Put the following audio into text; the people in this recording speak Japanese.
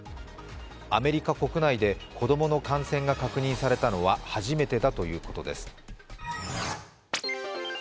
アメリカ国内で子供の感染が確認されたのは初めてだということです。